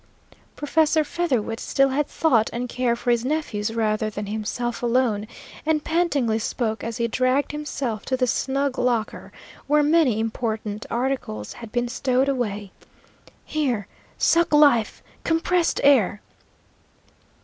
Professor Featherwit still had thought and care for his nephews rather than himself alone, and pantingly spoke, as he dragged himself to the snug locker, where many important articles had been stowed away: "Here suck life compressed air!"